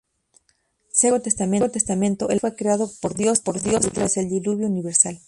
Según el Antiguo Testamento, el arcoíris fue creado por Dios tras el Diluvio universal.